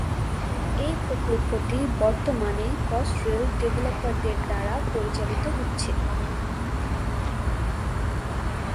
এই প্রকল্পটি বর্তমানে ক্রসরেল ডেভেলপারদের দ্বারা পরিচালিত হচ্ছে।